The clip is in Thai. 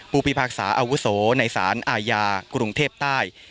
พิพากษาอาวุโสในสารอาญากรุงเทพใต้